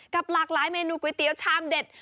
หลากหลายเมนูก๋วยเตี๋ยวชามเด็ด